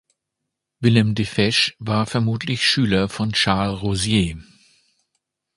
Willem de Fesch war vermutlich Schüler von Charles Rosier.